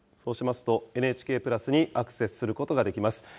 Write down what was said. そうしますと、ＮＨＫプラスにアクセスすることができます。